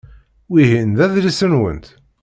Wihin d adlis-nwent?